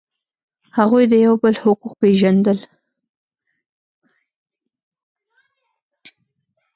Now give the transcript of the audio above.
هغوی د یو بل حقوق پیژندل.